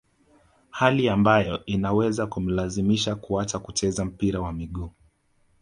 hali ambayo inaweza kumlazimisha kuacha kucheza mpira wa miguu